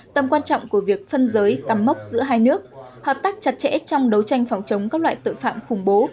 tầm quan trọng của việc phân giới cắm mốc giữa hai nước hợp tác chặt chẽ trong đấu tranh phòng chống các loại tội phạm khủng bố